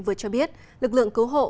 vừa cho biết lực lượng cứu hộ